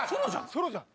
ソロじゃん。